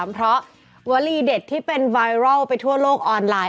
เพราะวลีเด็ดที่เป็นไวรัลไปทั่วโลกออนไลน์